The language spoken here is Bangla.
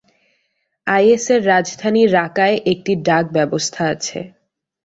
আইএসের রাজধানী রাকায় একটি ডাকব্যবস্থা আছে।